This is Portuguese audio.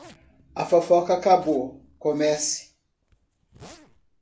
A fofoca acabou, comece!